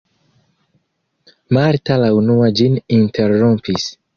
Marta la unua ĝin interrompis.